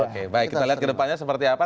oke baik kita lihat ke depannya seperti apa